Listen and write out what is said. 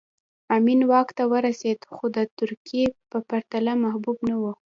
امین واک ته ورسېد خو د ترکي په پرتله محبوب نه و